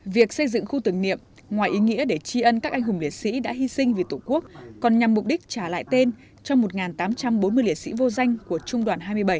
việc xây dựng khu tưởng niệm ngoài ý nghĩa để tri ân các anh hùng liệt sĩ đã hy sinh vì tổ quốc còn nhằm mục đích trả lại tên cho một tám trăm bốn mươi liệt sĩ vô danh của trung đoàn hai mươi bảy